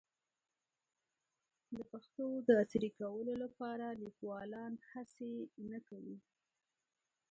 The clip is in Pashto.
د پښتو د عصري کولو لپاره لیکوالان هڅې نه کوي.